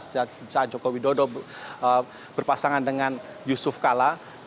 saat jokowi dodong berpasangan dengan yusuf kala